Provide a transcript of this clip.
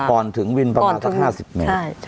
ก่อนถึงวินประมาณสัก๕๐เมตร